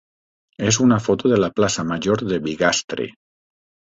és una foto de la plaça major de Bigastre.